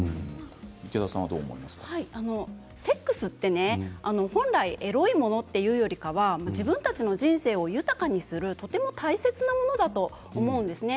セックスは本来エロいものというよりかは自分たちの人生を豊かにする大切なものだと思うんですね。